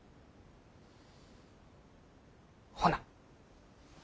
ほな。